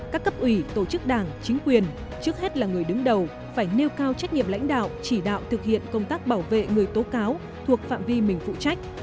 các cấp ủy tổ chức đảng chính quyền trước hết là người đứng đầu phải nêu cao trách nhiệm lãnh đạo chỉ đạo thực hiện công tác bảo vệ người tố cáo thuộc phạm vi mình phụ trách